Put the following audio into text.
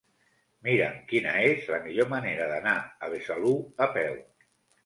Mira'm quina és la millor manera d'anar a Besalú a peu.